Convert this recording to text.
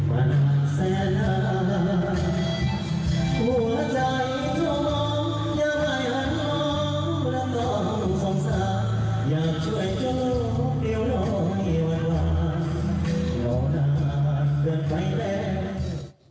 มั่นต้องสงสัตว์อยากช่วยเจ้ามกเดวน้องเอาไว้หว้า